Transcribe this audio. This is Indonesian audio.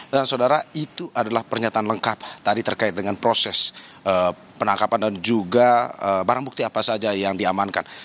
dan saudara itu adalah pernyataan lengkap tadi terkait dengan proses penangkapan dan juga barang bukti apa saja yang diamankan